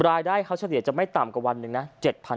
รายได้เขาเฉลี่ยจะไม่ต่ำกว่าวันหนึ่งนะ